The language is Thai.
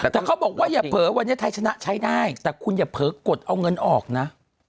แต่เขาบอกว่าอย่าเผลอวันนี้ไทยชนะใช้ได้แต่คุณอย่าเผลอกดเอาเงินออกนะ